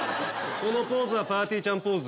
このポーズはぱーてぃーちゃんポーズ